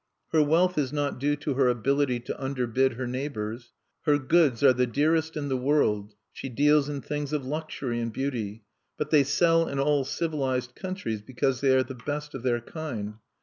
Her wealth is not due to her ability to underbid her neighbors. Her goods are the dearest in the world: she deals in things of luxury and beauty. But they sell in all civilized countries because they are the best of their kind.